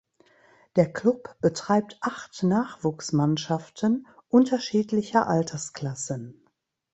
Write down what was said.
Der Klub betreibt acht Nachwuchsmannschaften unterschiedlicher Altersklassen.